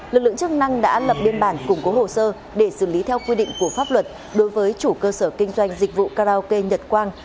lực lượng chức năng đã lập biên bản củng cố hồ sơ để xử lý theo quy định của pháp luật đối với chủ cơ sở kinh doanh dịch vụ karaoke nhật quang